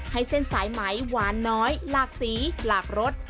ให้เส้นสายไหมหวานน้อยหลากสีหลากรส